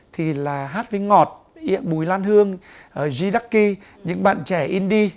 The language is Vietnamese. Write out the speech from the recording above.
thì là hát với ngọt bùi lan hương g ducky những bạn trẻ indie